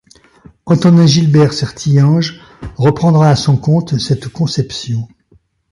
Antonin-Gilbert Sertillanges reprendra à son compte cette conception.